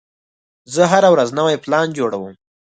زه هره ورځ نوی پلان جوړوم.